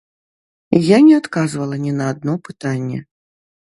Я не адказвала ні на адно пытанне.